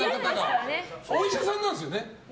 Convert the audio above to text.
お医者さんなんですよね？